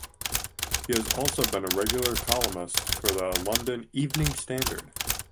He has also been a regular columnist for the London "Evening Standard".